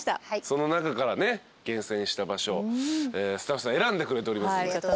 その中からね厳選した場所スタッフさん選んでくれておりますんで。